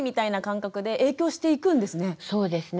そうですね。